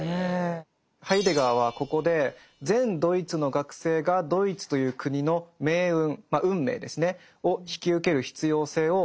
ハイデガーはここで全ドイツの学生がドイツという国の命運運命ですねを引き受ける必要性を説いています。